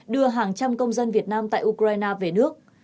đưa hàng trăm công dân việt nam tại ukraine về nước